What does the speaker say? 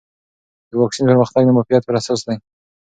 د واکسین پرمختګ د معافیت پر اساس دی.